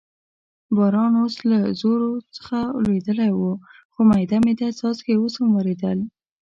باران اوس له زور څخه لوېدلی و، خو مېده مېده څاڅکي اوس هم ورېدل.